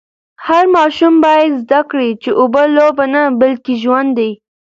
هر ماشوم باید زده کړي چي اوبه لوبه نه بلکې ژوند دی.